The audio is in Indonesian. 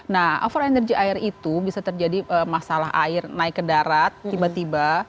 nah over energy air itu bisa terjadi masalah air naik ke darat tiba tiba